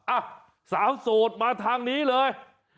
อ่ะสาวโสดมาทางนี้เลย